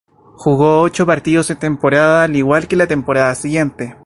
Jugó ocho partidos de la temporada, al igual que en la temporada siguiente.